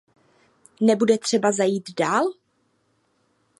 Nebude třeba zajít dál?